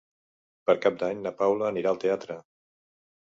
Per Cap d'Any na Paula anirà al teatre.